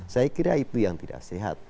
saya kira itu yang tidak sehat